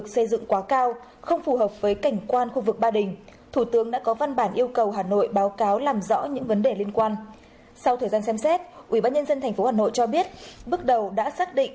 xin chào và hẹn gặp lại